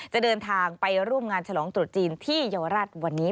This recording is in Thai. จะเดินทางไปร่วมงานฉลองตรุษจีนที่เยาวราชวันนี้